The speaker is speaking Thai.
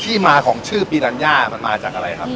ที่มาของชื่อปีรัญญามันมาจากอะไรครับ